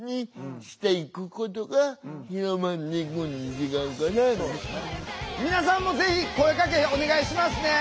それから別に皆さんもぜひ声かけお願いしますね。